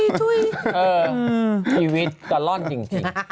ชีวิตกะล่อนจริง